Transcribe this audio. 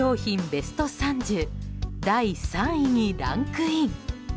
ベスト３０第３位にランクイン。